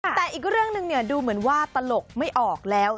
แต่อีกเรื่องหนึ่งดูเหมือนว่าตลกไม่ออกแล้ว